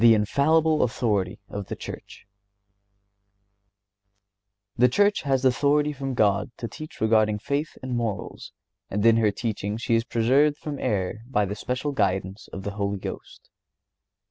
INFALLIBLE AUTHORITY OF THE CHURCH. The Church has authority from God to teach regarding faith and morals, and in her teaching she is preserved from error by the special guidance of the Holy Ghost.